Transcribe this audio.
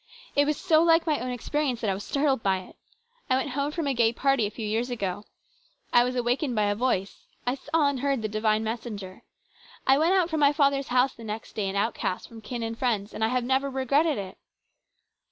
It was so like my own experience that I was startled by it. I went home from a gay party a few years ago. I was awakened by a voice. I saw and heard the divine messenger. I went out from my father's house the next day, an outcast from kin and friends ; and I have never regretted it.